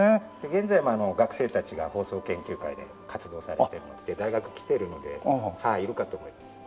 現在も学生たちが放送研究会で活動されているので大学来ているのではいいるかと思います。